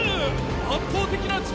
圧倒的な力！